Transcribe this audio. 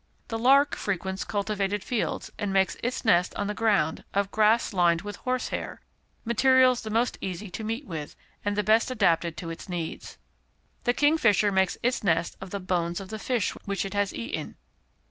The lark frequents cultivated fields, and makes its nest, on the ground, of grass lined with horsehair materials the most easy to meet with, and the best adapted to its needs. The kingfisher makes its nest of the bones of the fish which it has eaten.